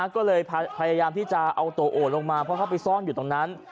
ก็เลยพยายามที่จะเอาตัวโอดลงมาเพราะเขาไปซ่อนอยู่ตรงนั้น